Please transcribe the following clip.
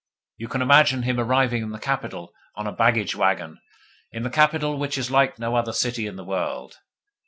You can imagine him arriving in the capital on a baggage waggon in the capital which is like no other city in the world!